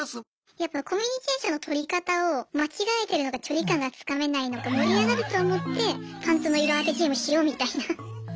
やっぱコミュニケーションの取り方を間違えてるのか距離感がつかめないのか盛り上がると思ってパンツの色当てゲームしようみたいな。